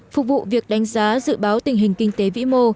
phục vụ việc đánh giá dự báo tình hình kinh tế vĩ mô